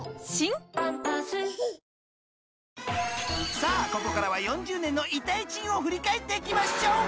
［さあここからは４０年の痛い珍を振り返っていきましょう！］